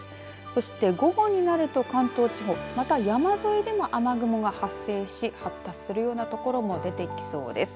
そして、午後になると関東地方また山沿いでも雨雲が発生し発達するような所も出てきそうです。